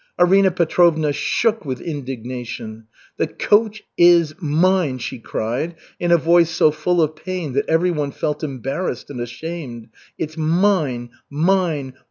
Arina Petrovna shook with indignation. "The coach is mine!" she cried in a voice so full of pain that everyone felt embarrassed and ashamed. "It's mine! Mine!